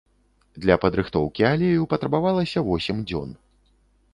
Для падрыхтоўкі алею патрабавалася восем дзён.